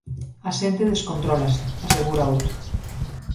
A xente descontrólase, asegura outro.